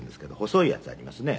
細いやつありますね